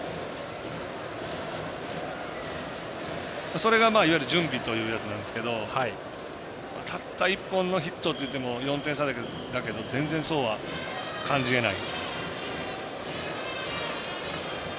それが、いわゆる準備というやつなんですけどたった１本のヒットといっても４点差だけど全然そうは感じれない。